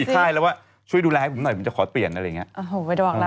อีกคล้ายแล้วว่าช่วยดูแลคุณหน่อยเนี่ยอันนี้ก็จะขอเปลี่ยนผมจะขอเปลี่ยนอะไรแบบนี้